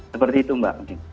seperti itu mbak